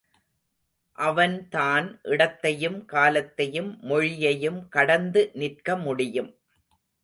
அவன்தான் இடத்தையும், காலத்தையும், மொழியையும் கடந்து நிற்க முடியும்.